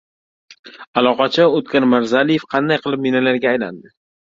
Aloqachi O‘tkir Mirzaaliyev qanday qilib millionerga aylandi?